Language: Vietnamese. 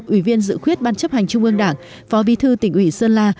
ủy viên dự khuyết ban chấp hành trung ương đảng phó bí thư tỉnh ủy sơn la